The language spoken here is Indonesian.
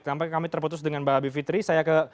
tampaknya kami terputus dengan mbak bivitri saya ke